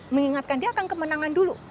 mengingatkan dia akan kemenangan dulu